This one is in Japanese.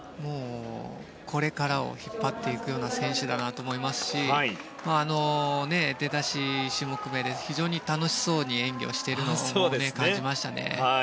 これからを引っ張っていくような選手だなと思いますし出だし、１種目目で非常に楽しそうに演技をしているのを感じましたね。